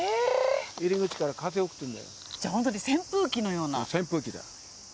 入り口から風、送ってるんだじゃあ、本当に扇風機のよう扇風機だよ。